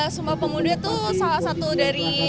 sumpah pemuda itu salah satu dari